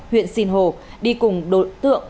huyện sìn hồ đi cùng đối tượng